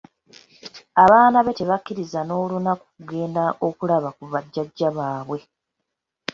Abaana be tabakkiriza n'olunaku kugenda okulaba ku bajajjaabwe.